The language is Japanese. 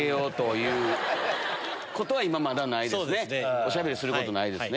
おしゃべりすることないですね。